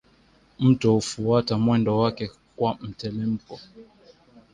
Mto hufuata mwendo wake kwa mtelemko